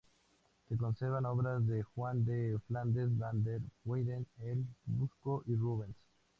Se conservan obras de Juan de Flandes, Van der Weyden, El Bosco y Rubens.